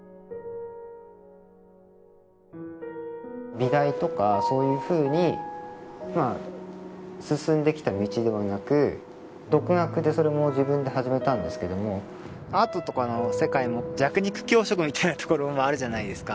美大とかそういうふうにまあ進んできた道ではなく独学でそれも自分で始めたんですけどもアートとかの世界も弱肉強食みたいなところもあるじゃないですか